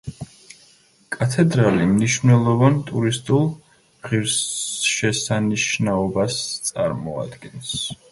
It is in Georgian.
კათედრალი მნიშვნელოვან ტურისტულ ღირსშესანიშნაობას წარმოადგენს.